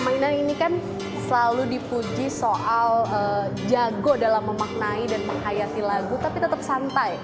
mainan ini kan selalu dipuji soal jago dalam memaknai dan menghayasi lagu tapi tetap santai